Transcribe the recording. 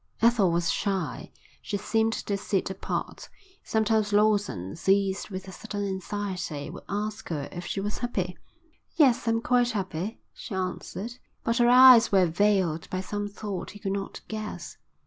Ethel was shy. She seemed to sit apart. Sometimes Lawson, seized with a sudden anxiety, would ask her if she was happy. "Yes, I'm quite happy," she answered. But her eyes were veiled by some thought he could not guess.